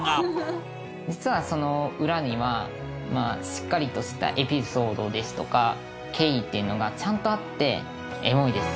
実はその裏にはしっかりとしたエピソードですとか経緯っていうのがちゃんとあってエモいです。